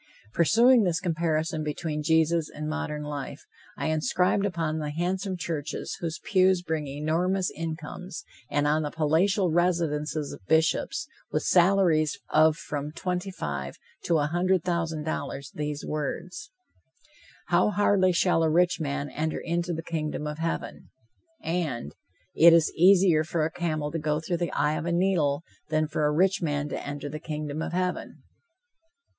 Pursuing this comparison between Jesus and modern life, I inscribed upon the handsome churches whose pews bring enormous incomes, and on the palatial residences of Bishops, with salaries of from twenty five to a hundred thousand dollars, these words: "How hardly shall a rich man enter into the kingdom of Heaven," and, "It is easier for a camel to go through the eye of a needle than for a rich man to enter the kingdom of Heaven."